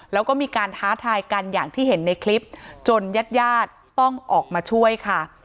แล้วก็มีการท้าทายกันอย่างที่เห็นในคลิปจนญาติญาติต้องออกมาช่วยค่ะ